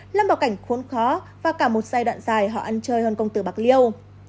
làm bảo cảnh khốn khó và cả một giai đoạn dài họ ăn chơi hơn công tử bạc liêu